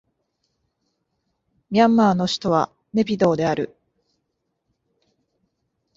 ミャンマーの首都はネピドーである